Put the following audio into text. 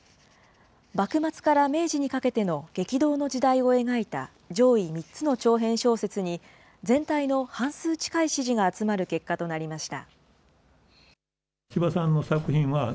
幕末から明治にかけての激動の時代を描いた上位３つの長編小説に、全体の半数近い支持が集まる結果となりました。